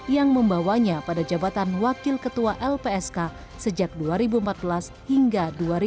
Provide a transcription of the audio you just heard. yang membawanya pada jabatan wakil ketua lpsk sejak dua ribu empat belas hingga dua ribu empat belas